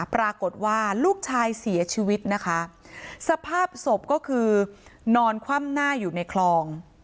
ปรากฏว่าลูกชายเสียชีวิตนะคะสภาพศพก็คือนอนคว่ำหน้าอยู่ในคลอง